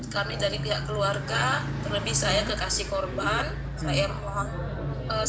kami dari pihak keluarga terlebih saya kekasih korban